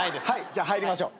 じゃあ入りましょう。